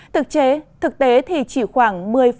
thực chế thực tế thì chỉ khoảng